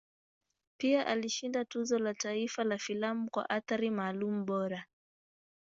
Pia alishinda Tuzo la Taifa la Filamu kwa Athari Maalum Bora.